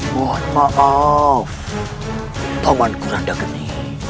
mohon maaf taman kurandagini